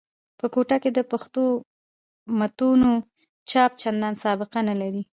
په کوټه کښي د پښتو متونو چاپ چندان سابقه نه لري.